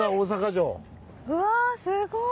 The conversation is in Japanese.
うわすごい！